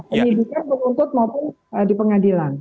penyidikan untuk untuk maupun di pengadilan